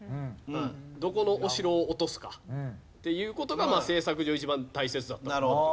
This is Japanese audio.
どこのお城を落とすかっていう事が政策上一番大切だっただろうなと。